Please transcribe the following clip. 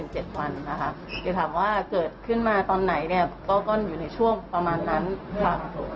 จะถามว่าเกิดขึ้นมาตอนไหนก็อยู่ในช่วงประมาณนั้นค่ะ